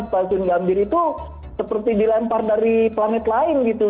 stasiun gambir itu seperti dilempar dari planet lain gitu